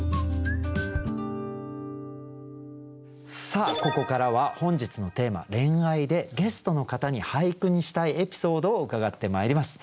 さあここからは本日のテーマ「恋愛」でゲストの方に俳句にしたいエピソードを伺ってまいります。